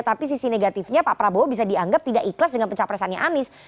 tapi sisi negatifnya pak prabowo bisa dianggap tidak ikhlas dengan pencapresannya anies